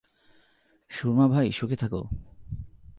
সুরমা ভাই সুখে থাকো।